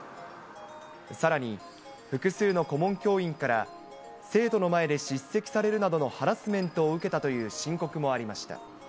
さらに、複数の顧問教員から、生徒の前で叱責されるなどのハラスメントを受けたという申告もありました。